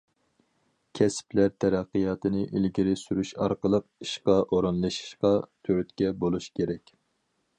كەسىپلەر تەرەققىياتىنى ئىلگىرى سۈرۈش ئارقىلىق ئىشقا ئورۇنلىشىشقا تۈرتكە بولۇش كېرەك.